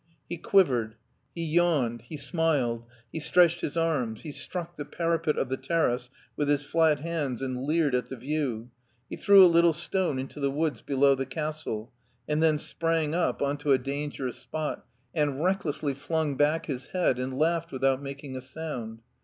He quivered, he yawned, he smiled, he stretched his arms, he struck the parapet of the terrace with his flat hands and leered at the view, he threw a little stone into the woods below the castle and then sprang up on to a dangerous HEIDELBERG 37 spot and recklessly flung back his head and laughed without making a sound.